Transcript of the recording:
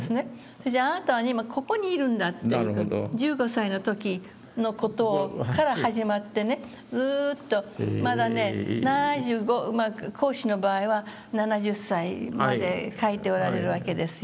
それで「あなたは今ここにいるんだ」という事を１５歳の時の事から始まってねずっとまだね７５孔子の場合は７０歳まで書いておられるわけですよね。